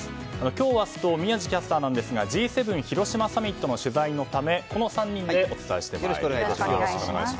今日、明日と宮司キャスターですがＧ７広島サミットの取材のためこの３人でお伝えしてまいります。